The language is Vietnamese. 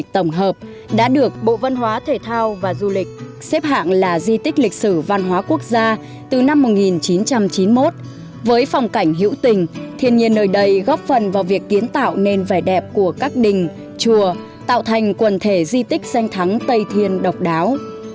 thiên nhiên nơi đây góp phần vào việc kiến tạo nền vẻ đẹp của các đình chùa tạo thành quần thể di tích danh thắng tây thiên độc đáo